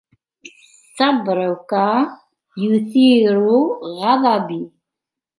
صبرك يثير غضبي